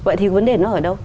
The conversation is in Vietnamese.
vậy thì vấn đề nó ở đâu